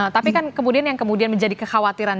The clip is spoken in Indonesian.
tapi kan kemudian yang kemudian menjadi kekhawatiran